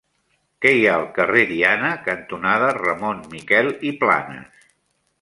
Què hi ha al carrer Diana cantonada Ramon Miquel i Planas?